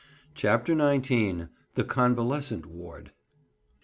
CHAPTER XIX. "THE CONVALESCENT WARD."